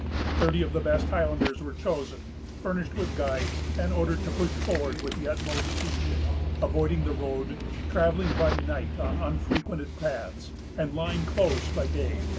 Thirty of the best Highlanders were chosen, furnished with guides, and ordered to push forward with the utmost speed, avoiding the road, travelling by night on unfrequented paths, and lying close by day.